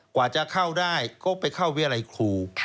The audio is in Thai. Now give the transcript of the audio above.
กว่าจะเข้าได้ก็ไปเข้าวิรัยครู